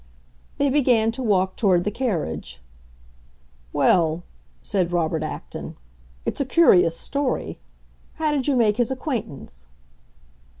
'" They began to walk toward the carriage. "Well," said Robert Acton, "it's a curious story! How did you make his acquaintance?"